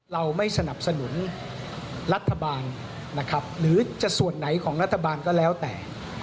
เราไม่สนับสนุนรัฐบาลนะครับหรือจะส่วนไหนของรัฐบาลก็แล้วแต่